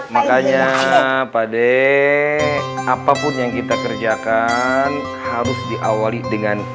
makanya pade apapun yang kita kerjakan harus diawali dengan